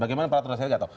bagaimana pada praseleksa